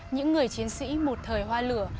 những người chiến sĩ một thời hoa lửa